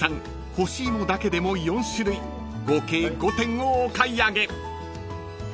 干し芋だけでも４種類合計５点をお買い上げ］